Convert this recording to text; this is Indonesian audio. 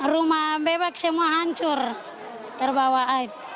rumah bebek semua hancur terbawa air